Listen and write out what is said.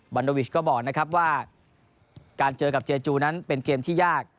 โดวิชก็บอกนะครับว่าการเจอกับเจจูนั้นเป็นเกมที่ยาก